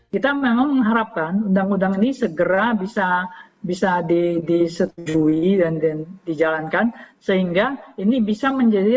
kita memang mengharapkan undang undang ini segera bisa bisa disetujui dan dijalankan sehingga ini bisa menjadi